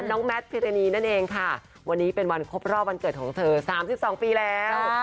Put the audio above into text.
แมทพิรณีนั่นเองค่ะวันนี้เป็นวันครบรอบวันเกิดของเธอ๓๒ปีแล้ว